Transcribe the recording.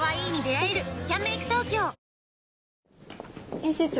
編集長。